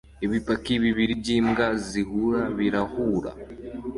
Ibipaki bibiri byimbwa zihura birahura